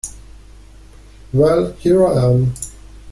Well, here I am.